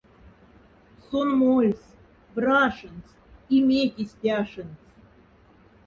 Сон мольсь, прашендсь и меки стяшендсь.